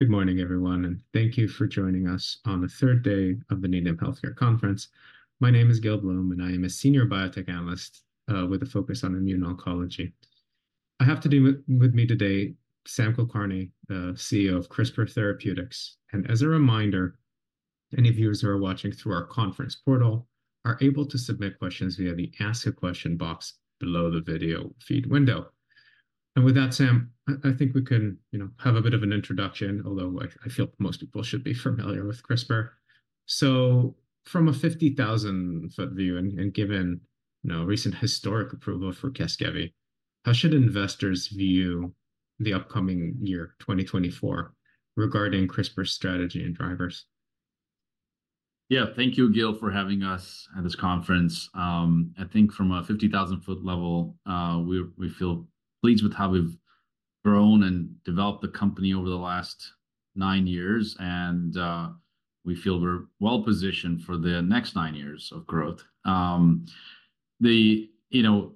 Good morning, everyone, and thank you for joining us on the 3rd day of the Needham Healthcare Conference. My name is Gil Blum, and I am a senior biotech analyst with a focus on immune oncology. I have with me today, Samarth Kulkarni, CEO of CRISPR Therapeutics, and as a reminder. Any viewers who are watching through our conference portal are able to submit questions via the ask a question box below the video feed window. And with that, Sam, I think we can, you know, have a bit of an introduction, although I feel most people should be familiar with CRISPR. So from a 50,000-foot view and given, you know, recent historic approval for Casgevy, how should investors view the upcoming year, 2024, regarding CRISPR's strategy and drivers? Yeah, thank you, Gil, for having us at this conference. I think from a 50,000-foot level, we feel pleased with how we've grown and developed the company over the last nine years, and we feel we're well positioned for the next nine years of growth. The, you know,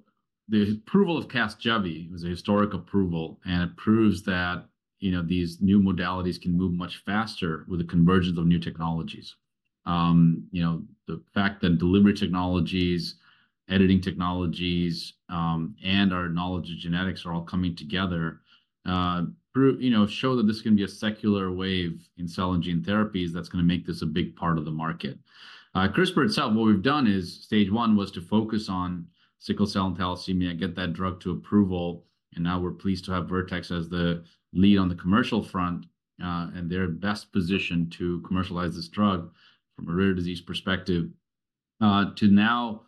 the approval of Casgevy was a historic approval, and it proves that, you know, these new modalities can move much faster with the convergence of new technologies. You know, the fact that delivery technologies, editing technologies, and our knowledge of genetics are all coming together, you know, show that this can be a secular wave in cell and gene therapies that's going to make this a big part of the market. CRISPR itself, what we've done is stage one was to focus on sickle cell and thalassemia, get that drug to approval, and now we're pleased to have Vertex as the lead on the commercial front, and they're best positioned to commercialize this drug from a rare disease perspective. To now,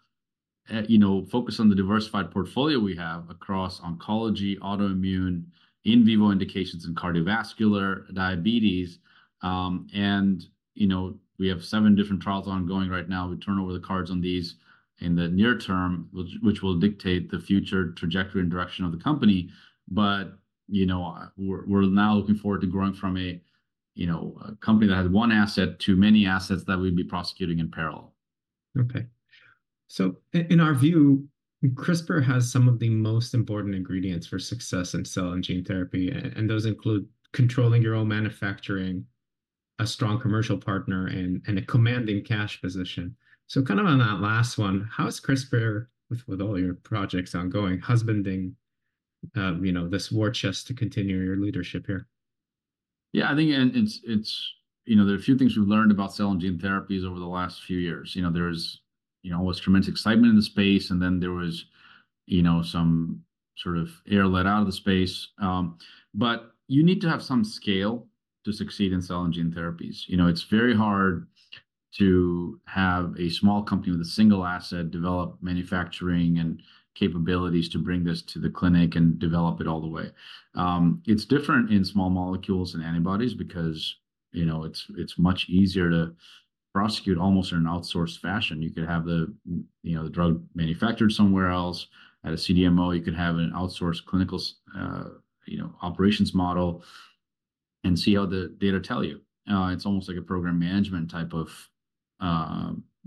you know, focus on the diversified portfolio we have across oncology, autoimmune, in vivo indications, and cardiovascular diabetes. You know, we have seven different trials ongoing right now. We turn over the cards on these in the near term, which will dictate the future trajectory and direction of the company. You know, we're now looking forward to growing from a, you know, a company that has one asset to many assets that we'd be prosecuting in parallel. Okay. So in our view, CRISPR has some of the most important ingredients for success in cell and gene therapy, and those include controlling your own manufacturing, a strong commercial partner, and a commanding cash position. So kind of on that last one, how is CRISPR, with all your projects ongoing, husbanding, you know, this war chest to continue your leadership here? Yeah, I think, and it's, you know, there are a few things we've learned about cell and gene therapies over the last few years. You know, there's, you know, always tremendous excitement in the space, and then there was, you know, some sort of air let out of the space. But you need to have some scale to succeed in cell and gene therapies. You know, it's very hard to have a small company with a single asset develop manufacturing and capabilities to bring this to the clinic and develop it all the way. It's different in small molecules and antibodies because, you know, it's much easier to prosecute almost in an outsourced fashion. You could have the, you know, the drug manufactured somewhere else at a CDMO. You could have an outsourced clinical, you know, operations model. See how the data tell you. It's almost like a program management type of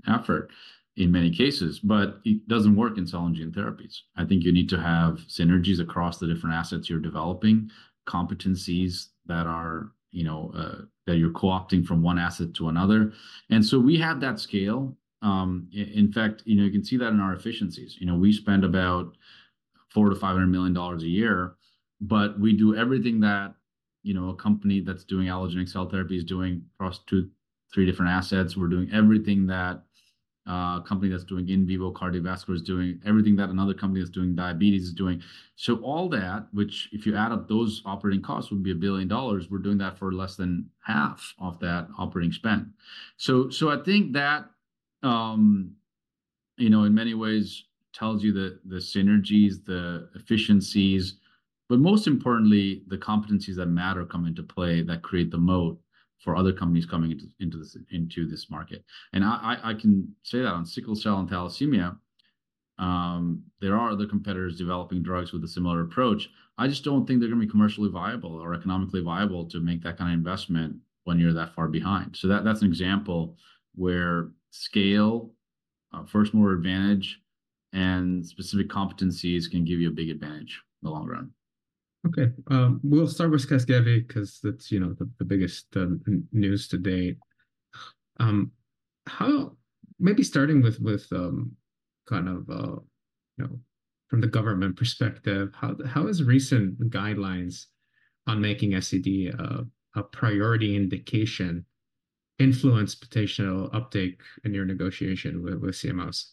effort in many cases, but it doesn't work in cell and gene therapies. I think you need to have synergies across the different assets you're developing. Competencies that are, you know, that you're co-opting from one asset to another. And so we have that scale. In fact, you know, you can see that in our efficiencies. You know, we spend about $400 million-$500 million a year. But we do everything that, you know, a company that's doing allogeneic cell therapy is doing across two to three different assets. We're doing everything that a company that's doing in vivo cardiovascular is doing, everything that another company that's doing diabetes is doing. So all that, which if you add up those operating costs would be $1 billion, we're doing that for less than half of that operating spend. So I think that, you know, in many ways tells you the synergies, the efficiencies. But most importantly, the competencies that matter come into play that create the moat for other companies coming into this market. And I can say that on sickle cell and thalassemia. There are other competitors developing drugs with a similar approach. I just don't think they're going to be commercially viable or economically viable to make that kind of investment when you're that far behind. So that's an example where scale, first-mover advantage. And specific competencies can give you a big advantage in the long run. Okay, we'll start with Casgevy because that's, you know, the biggest news to date. How, maybe starting with kind of, you know, from the government perspective, how has recent guidelines on making SCD a priority indication influenced potential uptake in your negotiation with CMS?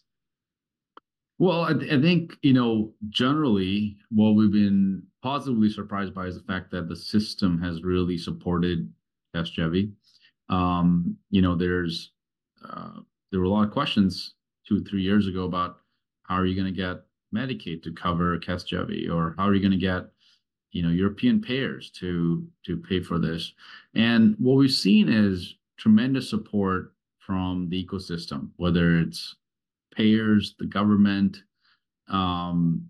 Well, I think, you know, generally, what we've been positively surprised by is the fact that the system has really supported Casgevy. You know, there were a lot of questions two to three years ago about how are you going to get Medicaid to cover Casgevy or how are you going to get, you know, European payers to pay for this? And what we've seen is tremendous support from the ecosystem, whether it's payers, the government, and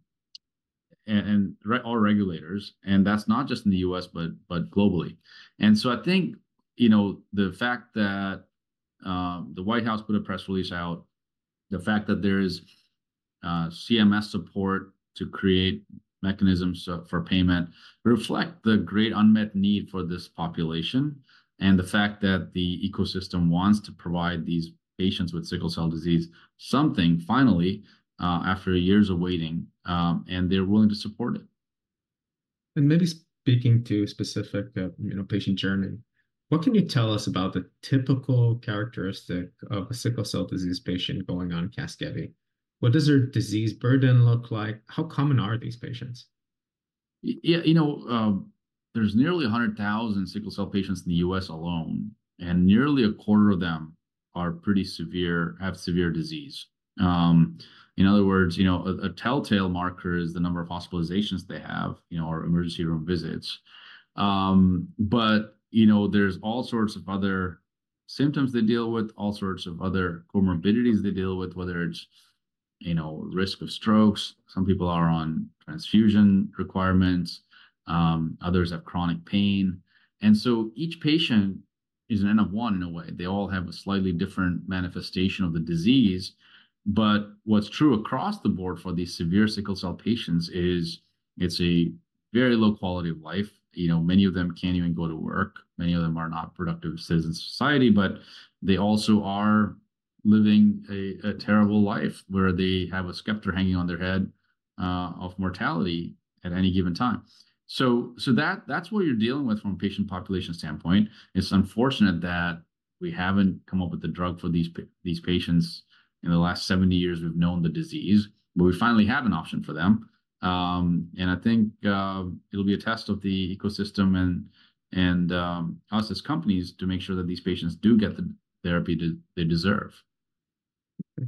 all regulators, and that's not just in the U.S., but globally. And so I think, you know, the fact that the White House put a press release out. The fact that there is CMS support to create mechanisms for payment reflect the great unmet need for this population. The fact that the ecosystem wants to provide these patients with sickle cell disease something finally, after years of waiting, and they're willing to support it. Maybe speaking to specific, you know, patient journey. What can you tell us about the typical characteristic of a sickle cell disease patient going on Casgevy? What does their disease burden look like? How common are these patients? Yeah, you know, there's nearly 100,000 sickle cell patients in the U.S. alone, and nearly a quarter of them are pretty severe, have severe disease. In other words, you know, a telltale marker is the number of hospitalizations they have, you know, or emergency room visits. But, you know, there's all sorts of other symptoms they deal with, all sorts of other comorbidities they deal with, whether it's, you know, risk of strokes. Some people are on transfusion requirements. Others have chronic pain. And so each patient is an N of one in a way. They all have a slightly different manifestation of the disease. But what's true across the board for these severe sickle cell patients is it's a very low quality of life. You know, many of them can't even go to work. Many of them are not productive citizens of society, but they also are living a terrible life where they have a specter hanging on their head of mortality at any given time. So that's what you're dealing with from a patient population standpoint. It's unfortunate that we haven't come up with the drug for these patients. In the last 70 years, we've known the disease, but we finally have an option for them. I think it'll be a test of the ecosystem and us as companies to make sure that these patients do get the therapy they deserve. Okay.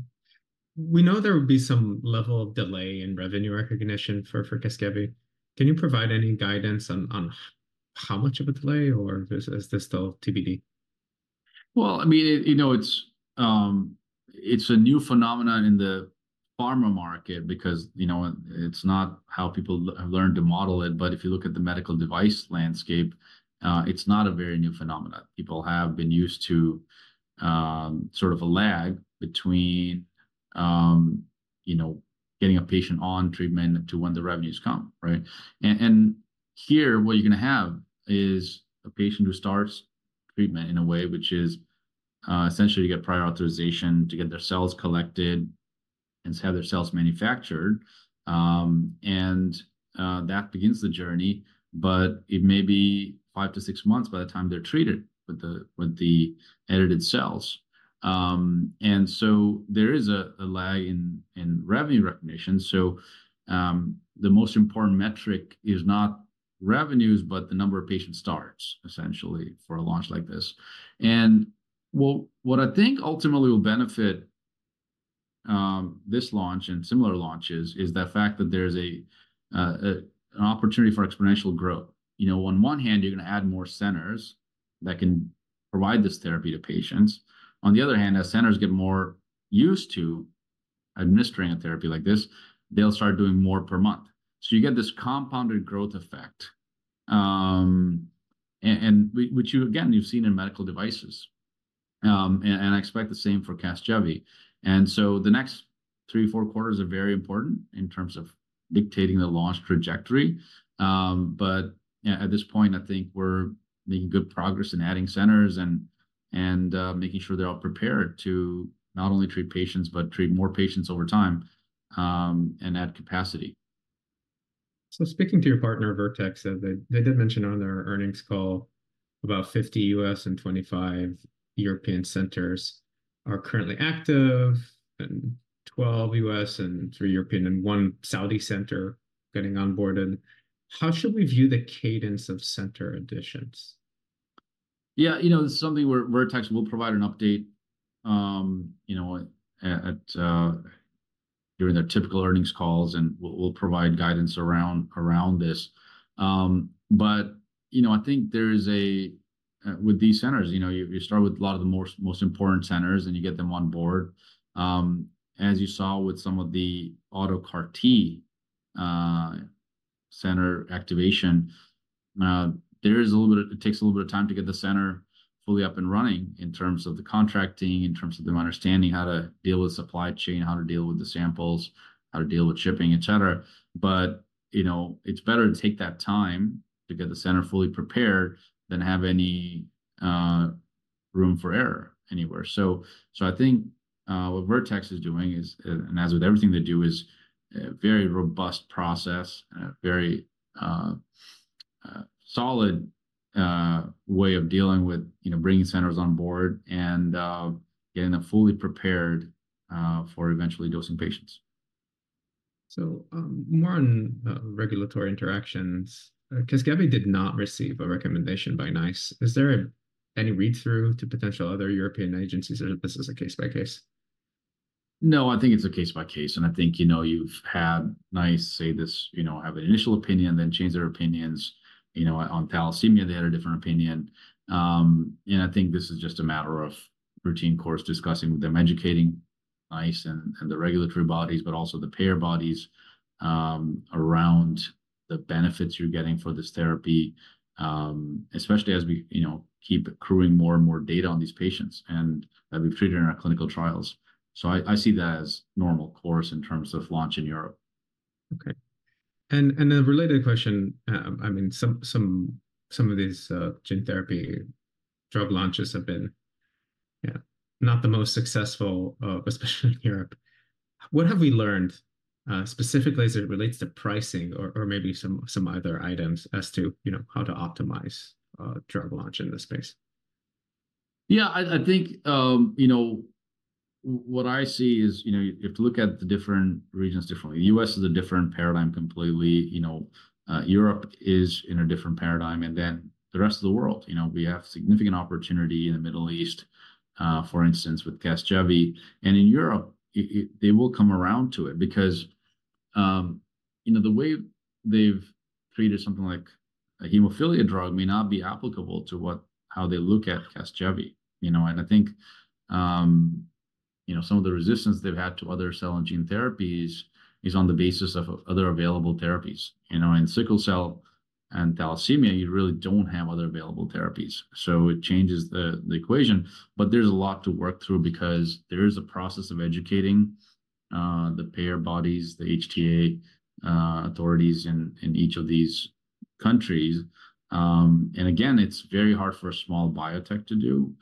We know there would be some level of delay in revenue recognition for Casgevy. Can you provide any guidance on how much of a delay or is this still TBD? Well, I mean, you know, it's a new phenomenon in the pharma market because, you know, it's not how people have learned to model it. But if you look at the medical device landscape, it's not a very new phenomenon. People have been used to sort of a lag between, you know, getting a patient on treatment to when the revenues come, right? And here, what you're going to have is a patient who starts treatment in a way which is essentially you get prior authorization to get their cells collected and have their cells manufactured. And that begins the journey, but it may be five to six months by the time they're treated with the edited cells. And so there is a lag in revenue recognition. So the most important metric is not revenues, but the number of patients starts essentially for a launch like this. What I think ultimately will benefit this launch and similar launches is the fact that there's an opportunity for exponential growth. You know, on one hand, you're going to add more centers that can provide this therapy to patients. On the other hand, as centers get more used to administering a therapy like this, they'll start doing more per month. So you get this compounded growth effect. And which you again, you've seen in medical devices. And I expect the same for Casgevy. And so the next three to four quarters are very important in terms of dictating the launch trajectory. But at this point, I think we're making good progress in adding centers and making sure they're all prepared to not only treat patients, but treat more patients over time and add capacity. Speaking to your partner, Vertex, they did mention on their earnings call about 50 U.S. and 25 European centers are currently active and 12 U.S. and three European and one Saudi center getting onboarded. How should we view the cadence of center additions? Yeah, you know, this is something where Vertex will provide an update, you know, during their typical earnings calls and we'll provide guidance around this. But, you know, I think there is a with these centers, you know, you start with a lot of the most important centers and you get them on board. As you saw with some of the auto CAR-T center activation. There is a little bit of it takes a little bit of time to get the center fully up and running in terms of the contracting, in terms of them understanding how to deal with supply chain, how to deal with the samples, how to deal with shipping, etc. But, you know, it's better to take that time to get the center fully prepared than have any room for error anywhere. I think what Vertex is doing is, and as with everything they do, is a very robust process and a very solid way of dealing with, you know, bringing centers on board and getting them fully prepared for eventually dosing patients. More on regulatory interactions. Casgevy did not receive a recommendation by NICE. Is there any read-through to potential other European agencies or this is a case by case? No, I think it's a case by case. And I think, you know, you've had NICE say this, you know, have an initial opinion, then change their opinions. You know, on thalassemia, they had a different opinion. And I think this is just a matter of routine course discussing with them, educating NICE and the regulatory bodies, but also the payer bodies around the benefits you're getting for this therapy. Especially as we, you know, keep accruing more and more data on these patients and that we've treated in our clinical trials. So I see that as normal course in terms of launch in Europe. Okay. A related question, I mean, some of these gene therapy drug launches have been, yeah, not the most successful, especially in Europe. What have we learned specifically as it relates to pricing or maybe some other items as to, you know, how to optimize drug launch in this space? Yeah, I think, you know, what I see is, you know, you have to look at the different regions differently. The U.S. is a different paradigm completely. You know, Europe is in a different paradigm and then the rest of the world, you know, we have significant opportunity in the Middle East, for instance, with Casgevy. And in Europe, they will come around to it because, you know, the way they've treated something like a hemophilia drug may not be applicable to how they look at Casgevy, you know, and I think, you know, some of the resistance they've had to other cell and gene therapies is on the basis of other available therapies, you know, in sickle cell and thalassemia, you really don't have other available therapies. So it changes the equation, but there's a lot to work through because there is a process of educating the payer bodies, the HTA authorities in each of these countries. And again, it's very hard for a small biotech to do.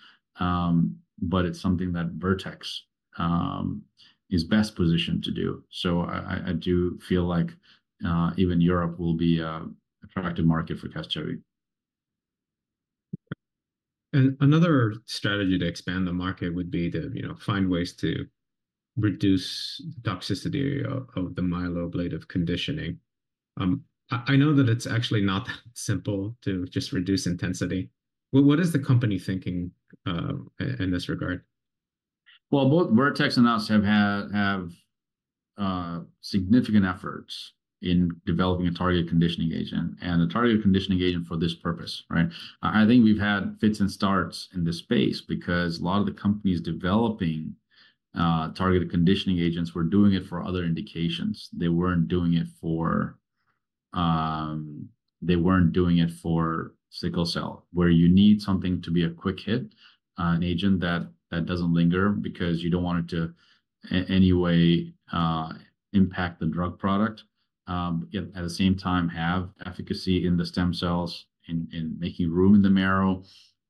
But it's something that Vertex is best positioned to do. So I do feel like even Europe will be an attractive market for Casgevy. Another strategy to expand the market would be to, you know, find ways to reduce the toxicity of the myeloablative conditioning. I know that it's actually not that simple to just reduce intensity. What is the company thinking in this regard? Well, both Vertex and us have had significant efforts in developing a targeted conditioning agent and a targeted conditioning agent for this purpose, right? I think we've had fits and starts in this space because a lot of the companies developing targeted conditioning agents were doing it for other indications. They weren't doing it for they weren't doing it for sickle cell where you need something to be a quick hit. An agent that doesn't linger because you don't want it to in any way impact the drug product. Yet at the same time, have efficacy in the stem cells in making room in the marrow,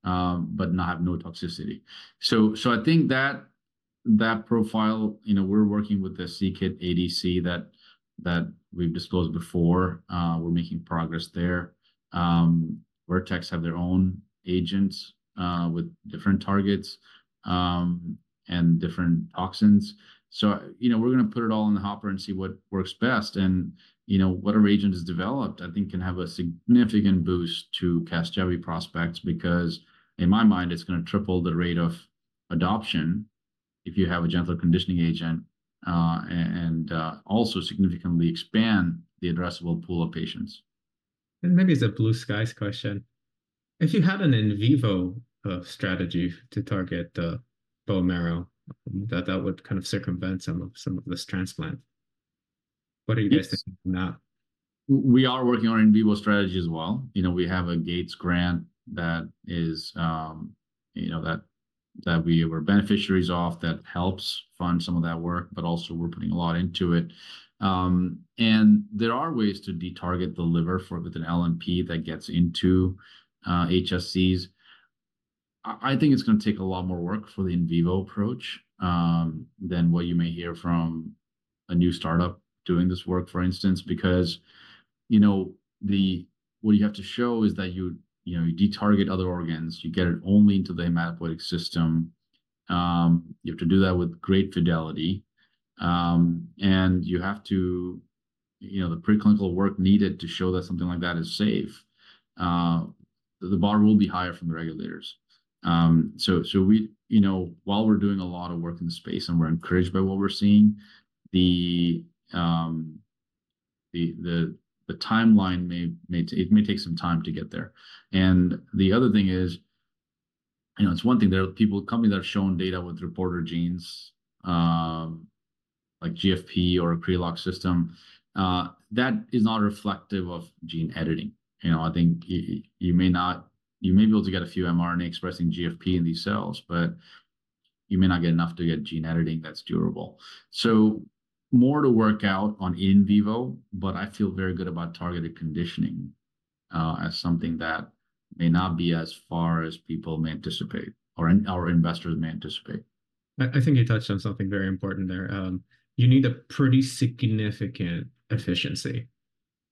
but not have no toxicity. So I think that profile, you know, we're working with the c-Kit ADC that we've disclosed before. We're making progress there. Vertex have their own agents with different targets and different toxins. So, you know, we're going to put it all in the hopper and see what works best and, you know, whatever agent is developed, I think can have a significant boost to Casgevy prospects because in my mind, it's going to triple the rate of adoption. If you have a gentle conditioning agent and also significantly expand the addressable pool of patients. Maybe it's a blue skies question. If you had an in vivo strategy to target bone marrow, that would kind of circumvent some of this transplant. What are you guys thinking of now? We are working on an in vivo strategy as well. You know, we have a Gates grant that is, you know, that we were beneficiaries of that helps fund some of that work, but also we're putting a lot into it. There are ways to detarget the liver with an LNP that gets into HSCs. I think it's going to take a lot more work for the in vivo approach than what you may hear from a new startup doing this work, for instance, because, you know, what you have to show is that you, you know, you detarget other organs, you get it only into the hematopoietic system. You have to do that with great fidelity. You have to, you know, the preclinical work needed to show that something like that is safe. The bar will be higher from the regulators. So we, you know, while we're doing a lot of work in the space and we're encouraged by what we're seeing, the timeline may take some time to get there. The other thing is, you know, it's one thing there are people, companies that have shown data with reporter genes like GFP or a Cre-Lox system. That is not reflective of gene editing. You know, I think you may not, you may be able to get a few mRNA expressing GFP in these cells, but you may not get enough to get gene editing that's durable. So more to work out on in vivo, but I feel very good about targeted conditioning as something that may not be as far as people may anticipate or investors may anticipate. I think you touched on something very important there. You need a pretty significant efficiency.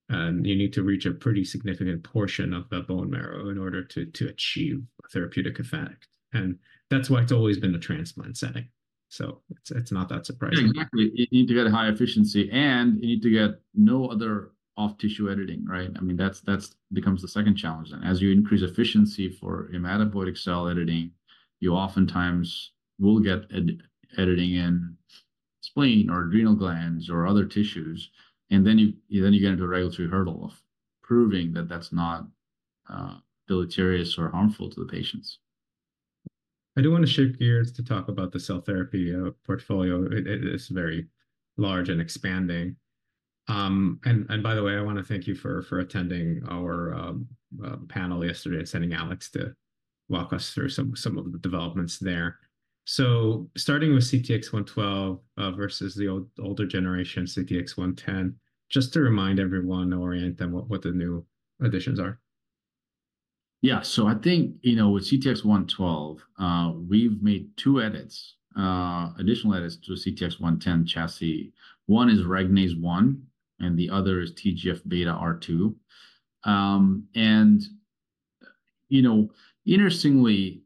You need to reach a pretty significant portion of that bone marrow in order to achieve a therapeutic effect. That's why it's always been the transplant setting. It's not that surprising. Exactly. You need to get a high efficiency and you need to get no other off-target editing, right? I mean, that becomes the second challenge then. As you increase efficiency for hematopoietic cell editing, you oftentimes will get editing in spleen or adrenal glands or other tissues. And then you get into a regulatory hurdle of proving that that's not deleterious or harmful to the patients. I do want to shift gears to talk about the cell therapy portfolio. It's very large and expanding. By the way, I want to thank you for attending our panel yesterday and sending Alex to walk us through some of the developments there. Starting with CTX112 versus the older generation CTX 110, just to remind everyone and orient them what the new additions are. Yeah, so I think, you know, with CTX112, we've made two edits, additional edits to CTX 110 chassis. One is Regnase-1 and the other is TGF-beta R2. And, you know, interestingly,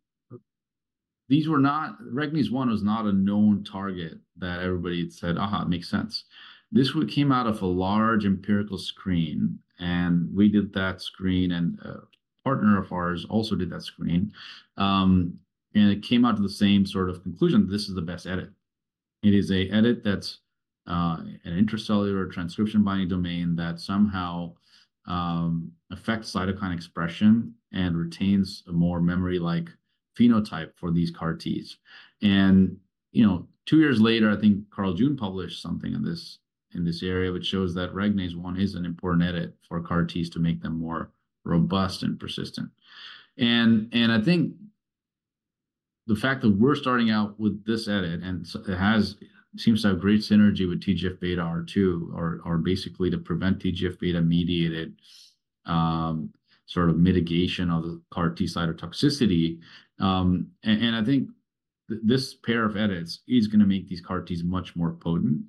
these were not Regnase-1 was not a known target that everybody had said, "Aha, it makes sense." This came out of a large empirical screen and we did that screen and a partner of ours also did that screen. And it came out to the same sort of conclusion. This is the best edit. It is an edit that's an intracellular transcription binding domain that somehow affects cytokine expression and retains a more memory-like phenotype for these CAR-Ts. And, you know, two years later, I think Carl June published something in this area which shows that Regnase-1 is an important edit for CAR-Ts to make them more robust and persistent. And I think the fact that we're starting out with this edit and it seems to have great synergy with TGF-beta R2 or basically to prevent TGF-beta mediated sort of mitigation of the CAR-T cytotoxicity. And I think this pair of edits is going to make these CAR-Ts much more potent.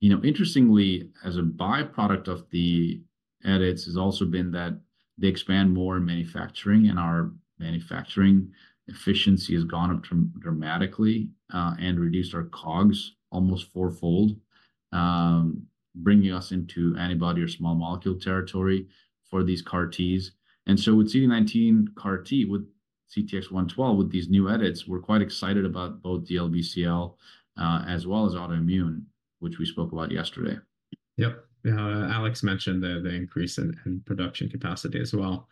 You know, interestingly, as a byproduct of the edits has also been that they expand more in manufacturing and our manufacturing efficiency has gone up dramatically and reduced our COGS almost fourfold. Bringing us into antibody or small molecule territory for these CAR-Ts. And so with CD19 CAR-T with CTX112 with these new edits, we're quite excited about both the LBCL as well as autoimmune, which we spoke about yesterday. Yep. Yeah, Alex mentioned the increase in production capacity as well.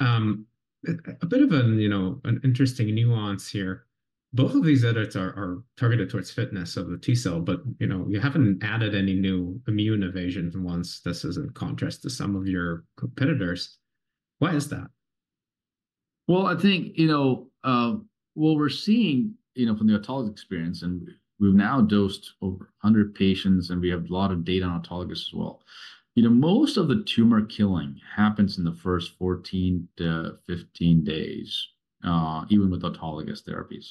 A bit of an, you know, an interesting nuance here. Both of these edits are targeted towards fitness of the T cell, but you know, you haven't added any new immune evasions once this is in contrast to some of your competitors. Why is that? Well, I think, you know, what we're seeing, you know, from the autologous experience and we've now dosed over 100 patients and we have a lot of data on autologous as well. You know, most of the tumor killing happens in the first 14-15 days, even with autologous therapies.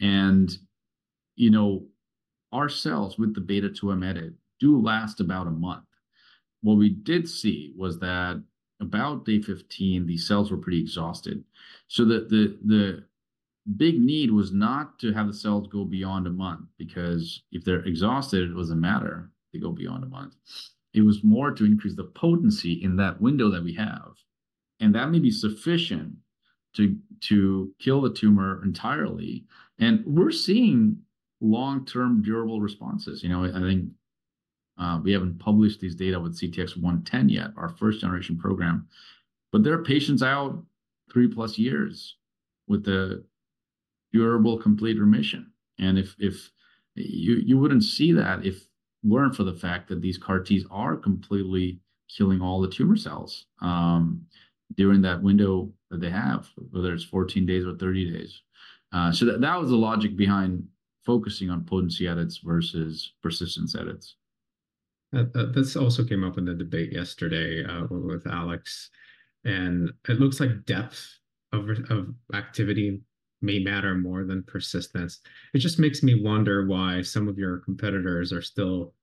And, you know, our cells with the beta-2M edit do last about a month. What we did see was that about day 15, the cells were pretty exhausted. So the big need was not to have the cells go beyond a month because if they're exhausted, it doesn't matter if they go beyond a month. It was more to increase the potency in that window that we have. And that may be sufficient to kill the tumor entirely. We're seeing long-term durable responses, you know, I think we haven't published these data with CTX110 yet, our first generation program. There are patients out 3+ years with a durable complete remission. If you wouldn't see that if it weren't for the fact that these CAR-Ts are completely killing all the tumor cells during that window that they have, whether it's 14 days or 30 days. That was the logic behind focusing on potency edits versus persistence edits. That also came up in the debate yesterday with Alex. It looks like depth of activity may matter more than persistence. It just makes me wonder why some of your competitors are still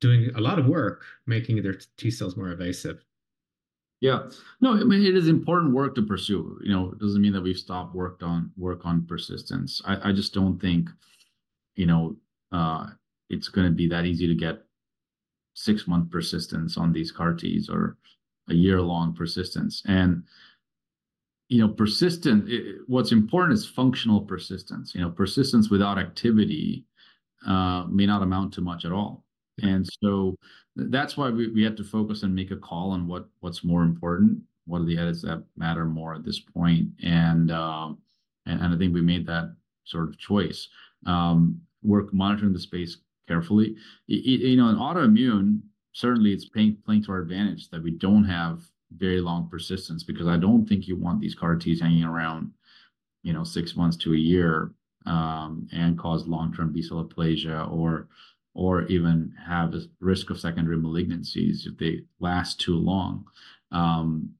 doing a lot of work making their T cells more evasive. Yeah. No, I mean, it is important work to pursue. You know, it doesn't mean that we've stopped work on persistence. I just don't think, you know, it's going to be that easy to get six-month persistence on these CAR-Ts or a year-long persistence. And, you know, persistent, what's important is functional persistence. You know, persistence without activity may not amount to much at all. And so that's why we had to focus and make a call on what's more important, what are the edits that matter more at this point? And I think we made that sort of choice. We're monitoring the space carefully. You know, in autoimmune, certainly it's playing to our advantage that we don't have very long persistence because I don't think you want these CAR-Ts hanging around, you know, six months to a year and cause long-term B-cell aplasia or even have a risk of secondary malignancies if they last too long.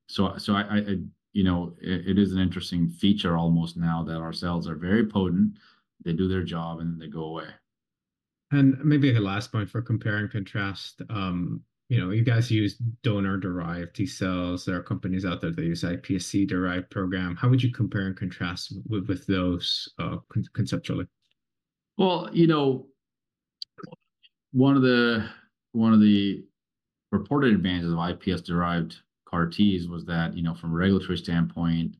So I, you know, it is an interesting feature almost now that our cells are very potent. They do their job and then they go away. Maybe a last point for compare and contrast. You know, you guys use donor-derived T cells. There are companies out there that use iPSC-derived program. How would you compare and contrast with those conceptually? Well, you know, one of the reported advantages of iPS-derived CAR-Ts was that, you know, from a regulatory standpoint,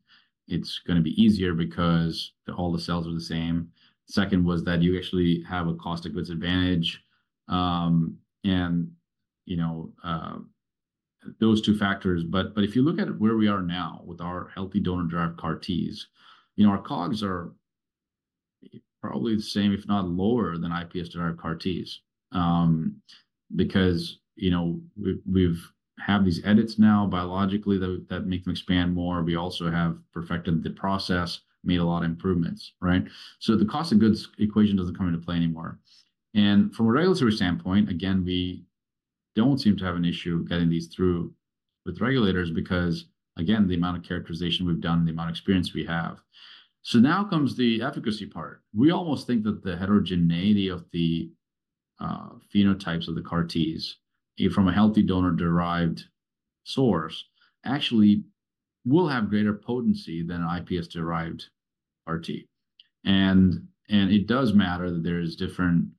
it's going to be easier because all the cells are the same. Second was that you actually have a cost-of-goods advantage. And, you know, those two factors, but if you look at where we are now with our healthy donor-derived CAR-Ts, you know, our COGS are probably the same, if not lower than iPS-derived CAR-Ts. Because, you know, we've had these edits now biologically that make them expand more. We also have perfected the process, made a lot of improvements, right? So the cost-of-goods equation doesn't come into play anymore. And from a regulatory standpoint, again, we don't seem to have an issue getting these through with regulators because, again, the amount of characterization we've done and the amount of experience we have. So now comes the efficacy part. We almost think that the heterogeneity of the phenotypes of the CAR-Ts from a healthy donor-derived source actually will have greater potency than an iPS-derived CAR-T. And it does matter that there are different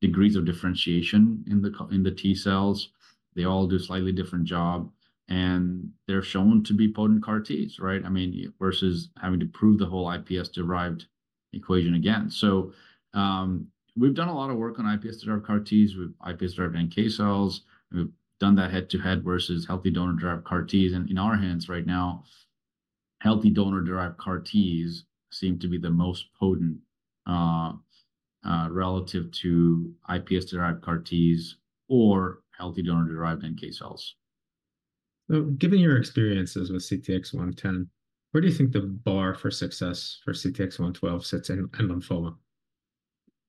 degrees of differentiation in the T cells. They all do a slightly different job. And they're shown to be potent CAR-Ts, right? I mean, versus having to prove the whole iPS-derived equation again. So we've done a lot of work on iPS-derived CAR-Ts with iPS-derived NK cells. We've done that head-to-head versus healthy donor-derived CAR-Ts. And in our hands right now, healthy donor-derived CAR-Ts seem to be the most potent relative to iPS-derived CAR-Ts or healthy donor-derived NK cells. So given your experiences with CTX110, where do you think the bar for success for CTX112 sits in lymphoma?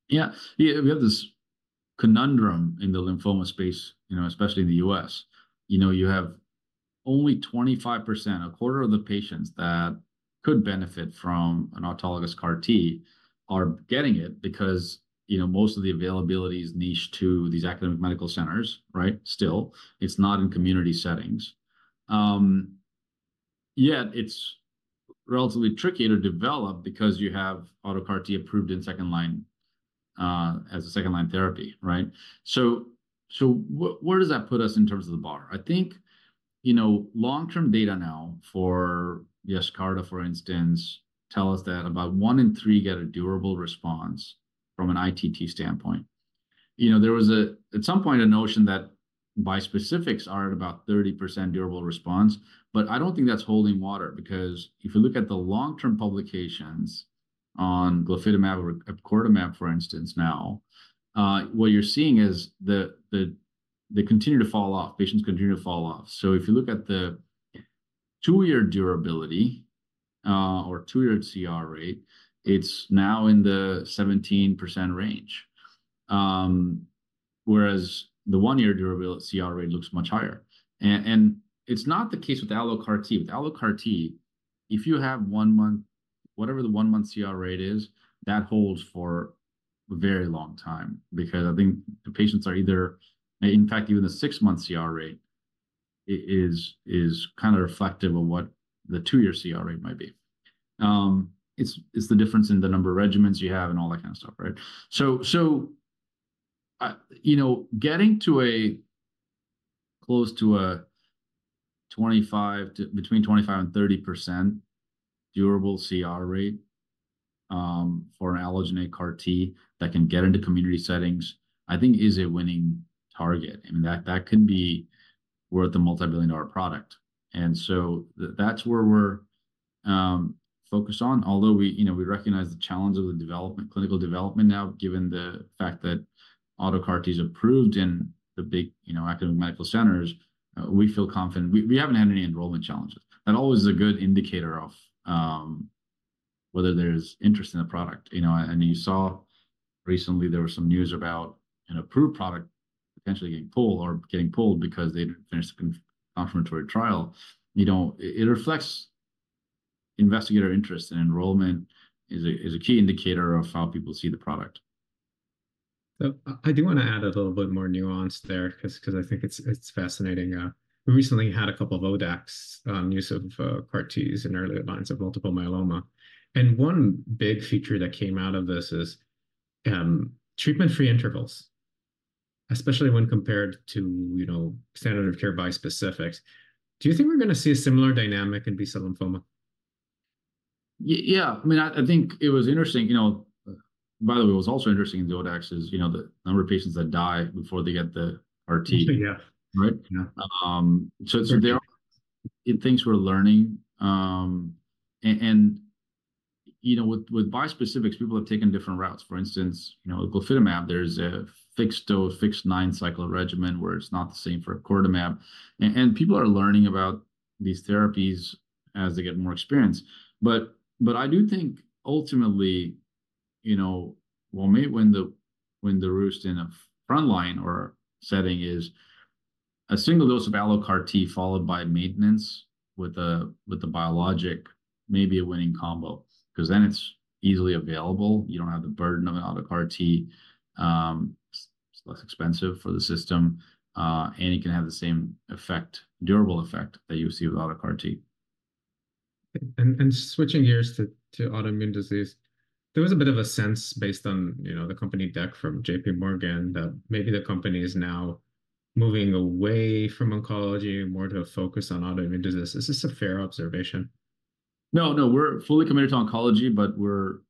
Yeah, yeah, we have this conundrum in the lymphoma space, you know, especially in the U.S. You know, you have only 25%, a quarter of the patients that could benefit from an autologous CAR-T are getting it because, you know, most of the availability is niche to these academic medical centers, right? Still, it's not in community settings. Yet it's relatively tricky to develop because you have auto CAR-T approved in second line as a second line therapy, right? So where does that put us in terms of the bar? I think, you know, long-term data now for Yescarta, for instance, tell us that about one in three get a durable response from an ITT standpoint. You know, there was at some point a notion that bispecifics are at about 30% durable response, but I don't think that's holding water because if you look at the long-term publications on glofitamab or epcoritamab, for instance, now, what you're seeing is they continue to fall off, patients continue to fall off. So if you look at the two-year durability or two-year CR rate, it's now in the 17% range. Whereas the one-year durability CR rate looks much higher. And it's not the case with allo CAR-T. With allo CAR-T, if you have one-month, whatever the one-month CR rate is, that holds for a very long time because I think the patients are either, in fact, even the six-month CR rate is kind of reflective of what the two-year CR rate might be. It's the difference in the number of regimens you have and all that kind of stuff, right? So, you know, getting to a close to a 25 to between 25% and 30% durable CR rate for an allogeneic CAR-T that can get into community settings, I think is a winning target. I mean, that could be worth a multi-billion-dollar product. And so that's where we're focused on, although we, you know, we recognize the challenge of the development, clinical development now, given the fact that auto CAR-Ts approved in the big, you know, academic medical centers, we feel confident. We haven't had any enrollment challenges. That always is a good indicator of whether there's interest in the product. You know, I know you saw recently there was some news about an approved product potentially getting pulled or getting pulled because they didn't finish the confirmatory trial. You know, it reflects investigator interest and enrollment is a key indicator of how people see the product. So I do want to add a little bit more nuance there because I think it's fascinating. We recently had a couple of ODACs on use of CAR-Ts in early lines of multiple myeloma. And one big feature that came out of this is treatment-free intervals. Especially when compared to, you know, standard of care bispecifics. Do you think we're going to see a similar dynamic in B-cell lymphoma? Yeah, I mean, I think it was interesting, you know. By the way, it was also interesting in the ODACs is, you know, the number of patients that die before they get the CAR-T. Interesting, yeah. Right? Yeah. So there are things we're learning. And, you know, with bispecifics, people have taken different routes. For instance, you know, with glofitamab, there's a fixed dose, fixed nine-cycle regimen where it's not the same for epcoritamab. And people are learning about these therapies as they get more experience. But I do think ultimately, you know, well, maybe when the route in a frontline setting is a single dose of allo CAR-T followed by maintenance with a biologic, maybe a winning combo. Because then it's easily available. You don't have the burden of an auto CAR-T. It's less expensive for the system. And you can have the same effect, durable effect that you see with auto CAR-T. Switching gears to autoimmune disease. There was a bit of a sense based on, you know, the company deck from J.P. Morgan that maybe the company is now moving away from oncology more to focus on autoimmune disease. Is this a fair observation? No, no, we're fully committed to oncology, but we're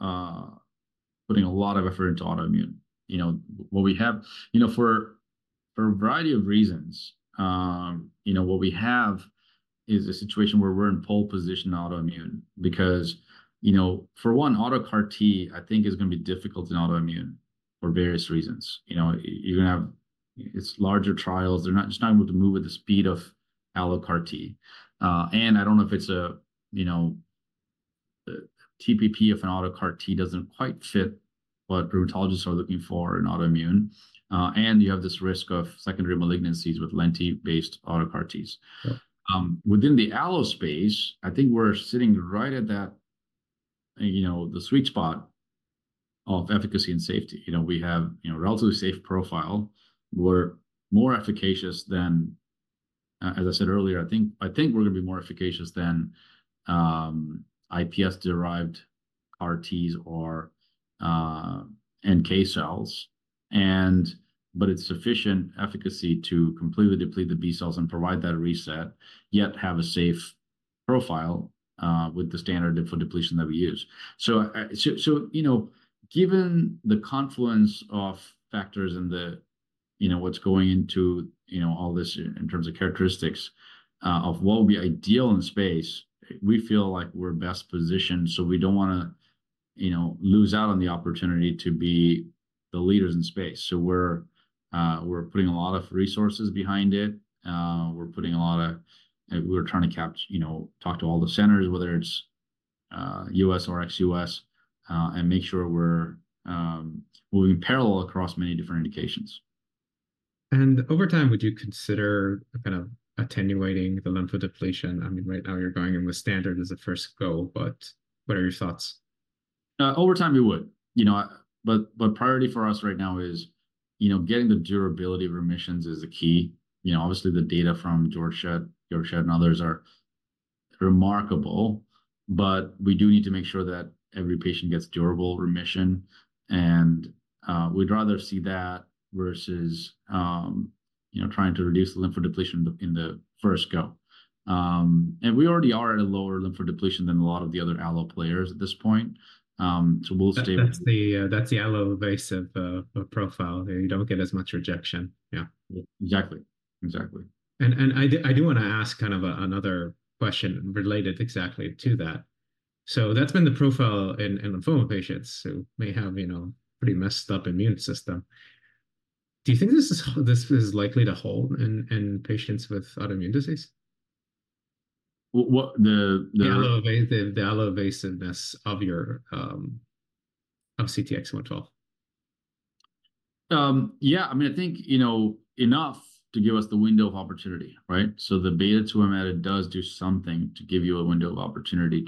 putting a lot of effort into autoimmune. You know, what we have, you know, for a variety of reasons, you know, what we have is a situation where we're in pole position autoimmune because, you know, for one, auto CAR-T, I think, is going to be difficult in autoimmune for various reasons. You know, you're going to have larger trials. They're not just not able to move at the speed of allo CAR-T. And I don't know if it's a, you know, TPP of an auto CAR-T doesn't quite fit what rheumatologists are looking for in autoimmune. And you have this risk of secondary malignancies with Lenti-based auto CAR-Ts. Within the allo space, I think we're sitting right at that, you know, the sweet spot of efficacy and safety. You know, we have, you know, relatively safe profile. We're more efficacious than, as I said earlier, I think I think we're going to be more efficacious than iPS-derived CAR-Ts or NK cells. But it's sufficient efficacy to completely deplete the B cells and provide that reset, yet have a safe profile with the standard for depletion that we use. So, you know, given the confluence of factors and the, you know, what's going into, you know, all this in terms of characteristics of what would be ideal in space, we feel like we're best positioned. So we don't want to, you know, lose out on the opportunity to be the leaders in space. So we're putting a lot of resources behind it. We're putting a lot of, we're trying to capture, you know, talk to all the centers, whether it's U.S. or ex-U.S., and make sure we're moving parallel across many different indications. Over time, would you consider kind of attenuating the lymph depletion? I mean, right now you're going in with standard as a first go, but what are your thoughts? Over time we would. You know, but priority for us right now is, you know, getting the durability of remissions is the key. You know, obviously the data from Georgetown and others are remarkable, but we do need to make sure that every patient gets durable remission. And we'd rather see that versus, you know, trying to reduce the lymph depletion in the first go. And we already are at a lower lymph depletion than a lot of the other alloplayers at this point. So we'll stay. That's the allo-evasive profile. You don't get as much rejection. Yeah. Exactly. Exactly. I do want to ask kind of another question related exactly to that. That's been the profile in lymphoma patients who may have, you know, a pretty messed up immune system. Do you think this is likely to hold in patients with autoimmune disease? What the. The allo-evasiveness of your CTX112. Yeah, I mean, I think, you know, enough to give us the window of opportunity, right? So the beta-2M added does do something to give you a window of opportunity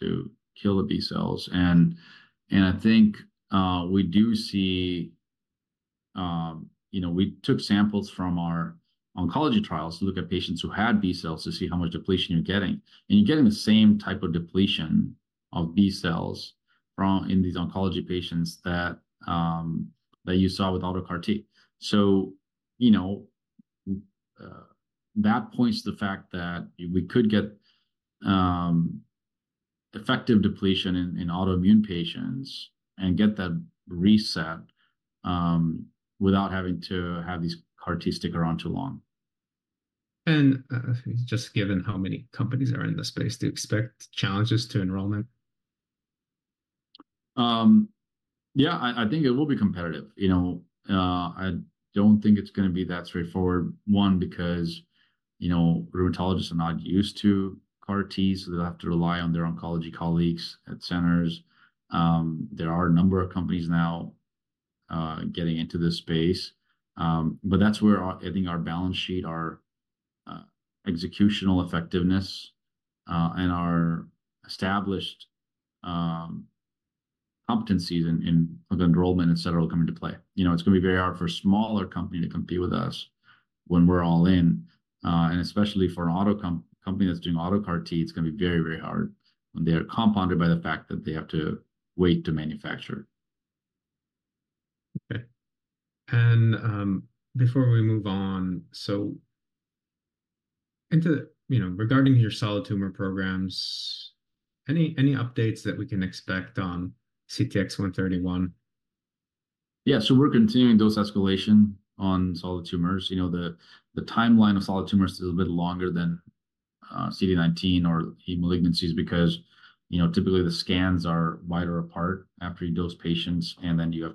to kill the B cells. And I think we do see, you know, we took samples from our oncology trials to look at patients who had B cells to see how much depletion you're getting. And you're getting the same type of depletion of B cells from these oncology patients that you saw with autologous CAR-T. So, you know, that points to the fact that we could get effective depletion in autoimmune patients and get that reset without having to have these CAR-Ts stick around too long. Just given how many companies are in the space, do you expect challenges to enrollment? Yeah, I think it will be competitive. You know, I don't think it's going to be that straightforward. One, because, you know, rheumatologists are not used to CAR-Ts, so they'll have to rely on their oncology colleagues at centers. There are a number of companies now getting into this space. But that's where I think our balance sheet, our executional effectiveness, and our established competencies in enrollment, etc., will come into play. You know, it's going to be very hard for a smaller company to compete with us when we're all in. And especially for an auto company that's doing auto CAR-T, it's going to be very, very hard when they are compounded by the fact that they have to wait to manufacture. Okay. Before we move on, so into, you know, regarding your solid tumor programs, any updates that we can expect on CTX131? Yeah, so we're continuing dose escalation on solid tumors. You know, the timeline of solid tumors is a bit longer than CD19 or B-malignancies because, you know, typically the scans are wider apart after you dose patients and then you have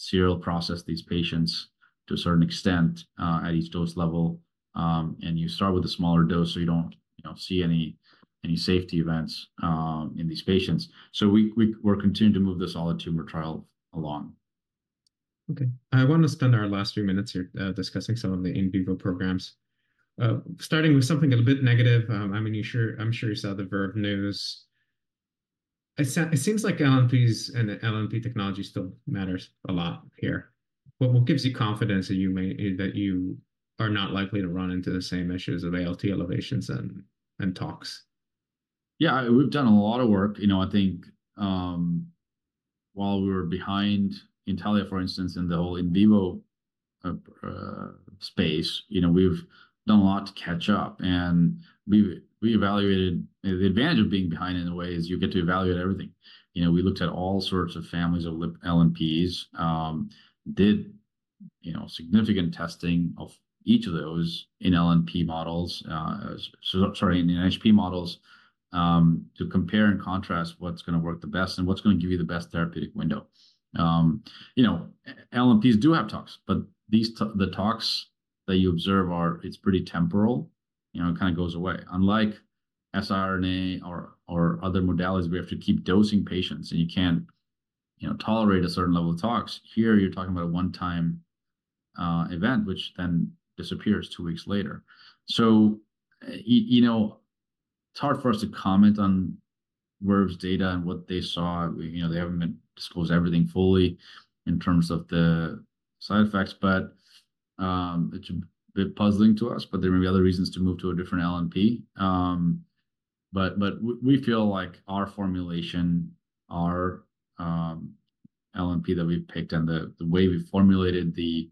to serial process these patients to a certain extent at each dose level. And you start with a smaller dose so you don't, you know, see any safety events in these patients. So we're continuing to move this solid tumor trial along. Okay. I want to spend our last few minutes here discussing some of the in vivo programs. Starting with something a little bit negative. I mean, I'm sure you saw the Verve news. It seems like LNPs and LNP technology still matters a lot here. What gives you confidence that you are not likely to run into the same issues of ALT elevations and tox? Yeah, we've done a lot of work. You know, I think while we were behind Intellia, for instance, in the whole in vivo space, you know, we've done a lot to catch up. And we evaluated the advantage of being behind in a way is you get to evaluate everything. You know, we looked at all sorts of families of LNPs. Did, you know, significant testing of each of those in LNP models, sorry, in NHP models to compare and contrast what's going to work the best and what's going to give you the best therapeutic window. You know, LNPs do have tox, but these the tox that you observe are, it's pretty temporal. You know, it kind of goes away. Unlike siRNA or other modalities, we have to keep dosing patients and you can't, you know, tolerate a certain level of tox. Here, you're talking about a one-time event, which then disappears two weeks later. So, you know, it's hard for us to comment on Verve's data and what they saw. You know, they haven't disclosed everything fully in terms of the side effects, but it's a bit puzzling to us, but there may be other reasons to move to a different LNP. But we feel like our formulation, our LNP that we've picked and the way we formulated the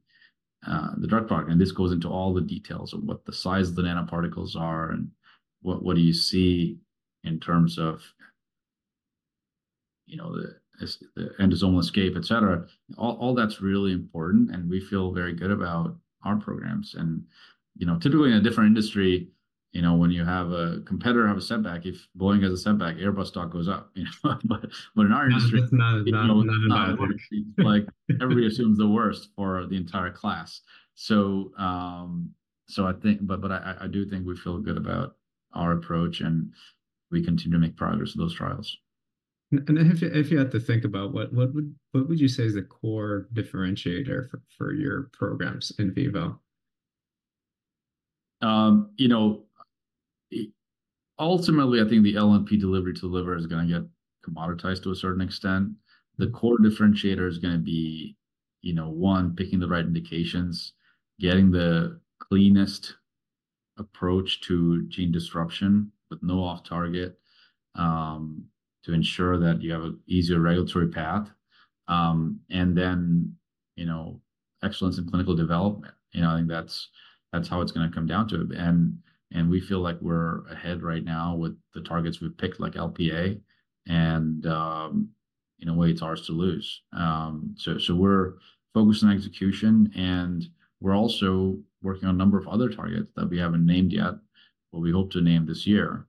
drug product, and this goes into all the details of what the size of the nanoparticles are and what do you see in terms of, you know, the endosomal escape, etc. All that's really important and we feel very good about our programs. And, you know, typically in a different industry, you know, when you have a competitor have a setback, if Boeing has a setback, Airbus stock goes up, you know. But in our industry, you know, like everybody assumes the worst for the entire class. So I think, but I do think we feel good about our approach and we continue to make progress in those trials. If you had to think about what would you say is the core differentiator for your programs in vivo? You know, ultimately, I think the LNP delivery to the liver is going to get commoditized to a certain extent. The core differentiator is going to be, you know, one, picking the right indications, getting the cleanest approach to gene disruption with no off-target to ensure that you have an easier regulatory path. And then, you know, excellence in clinical development. You know, I think that's how it's going to come down to it. And we feel like we're ahead right now with the targets we've picked like LPA and in a way it's ours to lose. So we're focused on execution and we're also working on a number of other targets that we haven't named yet, what we hope to name this year.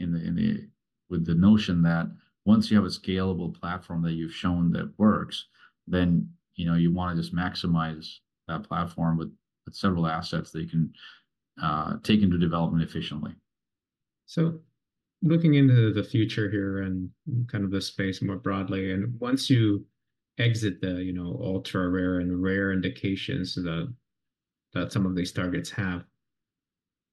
Again, with the notion that once you have a scalable platform that you've shown that works, then, you know, you want to just maximize that platform with several assets that you can take into development efficiently. So looking into the future here and kind of the space more broadly, and once you exit the, you know, ultra-rare and rare indications that some of these targets have,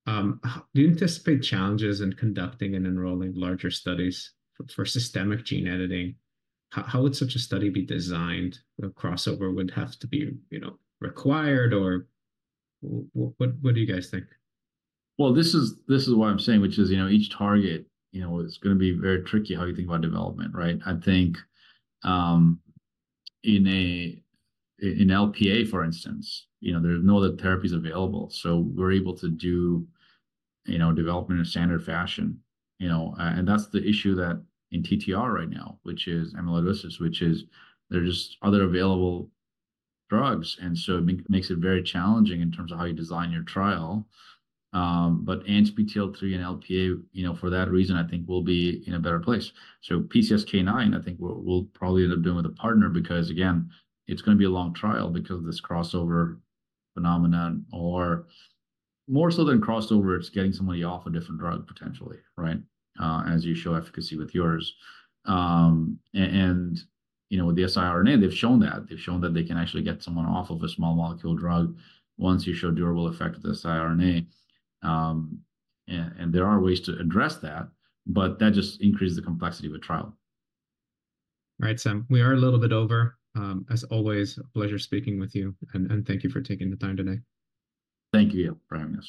do you anticipate challenges in conducting and enrolling larger studies for systemic gene editing? How would such a study be designed? A crossover would have to be, you know, required or what do you guys think? Well, this is what I'm saying, which is, you know, each target, you know, it's going to be very tricky how you think about development, right? I think in an Lp(a), for instance, you know, there's no other therapies available. So we're able to do, you know, development in a standard fashion. You know, and that's the issue that in TTR right now, which is amyloidosis, which is there's just other available drugs. And so it makes it very challenging in terms of how you design your trial. But ANGPTL3 and Lp(a), you know, for that reason, I think we'll be in a better place. So PCSK9, I think we'll probably end up doing with a partner because again, it's going to be a long trial because of this crossover phenomenon or more so than crossover, it's getting somebody off a different drug potentially, right? As you show efficacy with yours. You know, with the siRNA, they've shown that. They've shown that they can actually get someone off of a small molecule drug once you show durable effect with the siRNA. There are ways to address that, but that just increases the complexity of a trial. All right, Sam. We are a little bit over. As always, a pleasure speaking with you and thank you for taking the time today. Thank you, Gil. Bye, man.